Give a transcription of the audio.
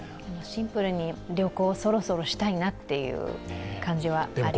シンプルに旅行、そろそろしたいなっていう感じはあります。